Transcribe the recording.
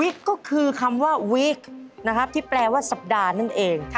นี่ก็คือคำว่าวีคนะครับที่แปลว่าสัปดาห์นั่นเอง